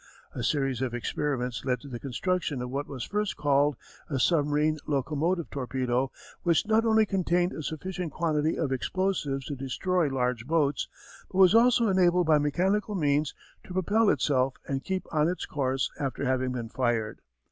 A series of experiments led to the construction of what was first called a "Submarine Locomotive" torpedo, which not only contained a sufficient quantity of explosives to destroy large boats, but was also enabled by mechanical means to propel itself and keep on its course after having been fired.